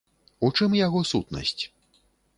У чым яго сутнасць?